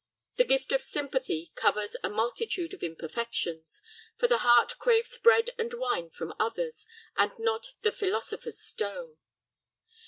The gift of sympathy covers a multitude of imperfections, for the heart craves bread and wine from others, and not the philosopher's stone.